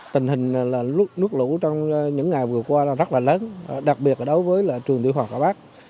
tình hình nước lũ trong những ngày vừa qua rất là lớn đặc biệt đối với trường tiểu học hòa bắc